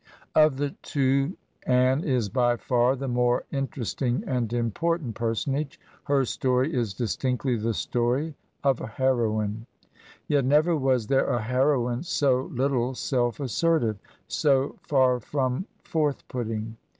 Of the two Anne is by far the more interesting and important personage; her story is distinctly the story of a heroine; yet never was there a heroine so little self assertive, so far from forth putting.